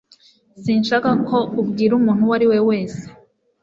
Sinshaka ko ubwira umuntu uwo ari we wese